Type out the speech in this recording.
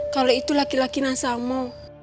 kalau itu laki lakinya sama